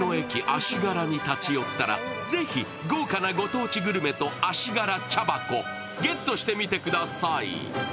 足柄に立ち寄ったら、ぜひ豪華なご当地グルメと足柄チャバコ、ご賞味してみてください。